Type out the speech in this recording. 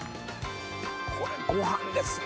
これごはんですね！